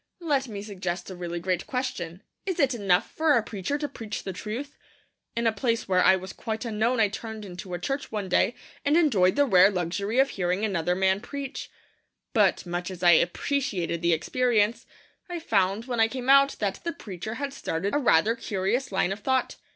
Let me suggest a really great question. Is it enough for a preacher to preach the truth? In a place where I was quite unknown, I turned into a church one day and enjoyed the rare luxury of hearing another man preach. But, much as I appreciated the experience, I found, when I came out, that the preacher had started a rather curious line of thought.